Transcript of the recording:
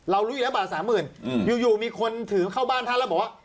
เราลุยแล้วบาท๓๐๐๐๐อยู่มีคนถือเข้าบ้านท่านแล้วบอกว่า